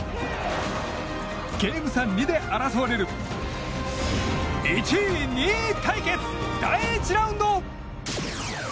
ゲーム差２で争われる１位２位対決、第１ラウンド！